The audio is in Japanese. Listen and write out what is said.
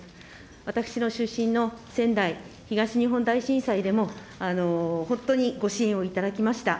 私の出身の仙台、東日本大震災でも、本当にご支援を頂きました。